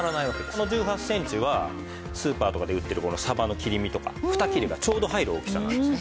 この１８センチはスーパーとかで売ってるさばの切り身とか２切れがちょうど入る大きさなんです。